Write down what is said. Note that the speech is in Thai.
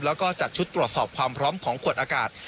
แล้วก็จัดชุดตรวจสอบความพร้อมของขวดอากาศ